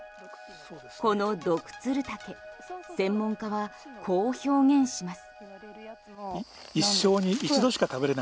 このドクツルタケ専門家はこう表現します。